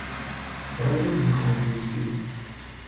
جنگ بیخونریزی